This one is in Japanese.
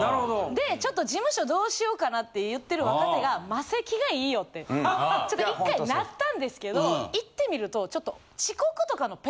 でちょっと事務所どうしようかなって言ってる若手がマセキがいいよってちょっと１回なったんですけど行ってみるとちょっと。